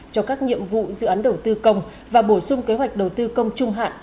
cho các nhiệm vụ dự án đầu tư công và bổ sung kế hoạch đầu tư công trung hạn